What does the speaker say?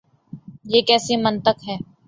یہ کیسی منطق ہے؟